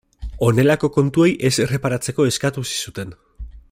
Honelako kontuei ez erreparatzeko eskatu zizuten.